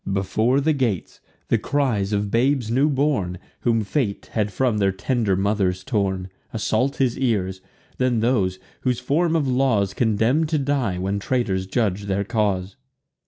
Before the gates, the cries of babes new born, Whom fate had from their tender mothers torn, Assault his ears: then those, whom form of laws Condemn'd to die, when traitors judg'd their cause.